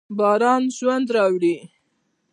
باران ژوند راوړي.